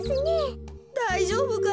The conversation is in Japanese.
だいじょうぶか？